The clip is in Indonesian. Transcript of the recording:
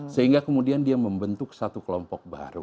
sehingga kemudian dia membentuk satu kelompok baru